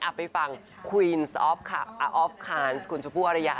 อัพไปฟังควีนออฟคาร์นซ์คุณชมพู่วรรยาค่ะ